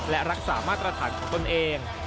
และรักษามาตรฐานของตนเอง